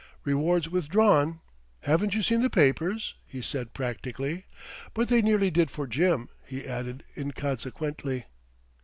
"Reward's withdrawn. Haven't you seen the papers?" he said practically; "but they nearly did for Jim," he added inconsequently.